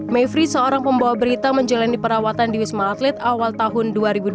mevri seorang pembawa berita menjalani perawatan di wisma atlet awal tahun dua ribu dua puluh